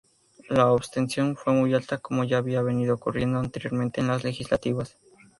La abstención fue muy alta como ya había venido ocurriendo anteriormente en las legislativas.